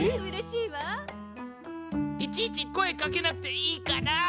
いちいち声かけなくていいから！